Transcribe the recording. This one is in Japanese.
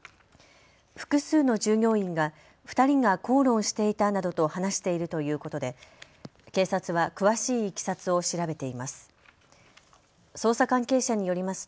複数の従業員が２人が口論していたなどと話しているということで警察は詳しいいきさつを調べています。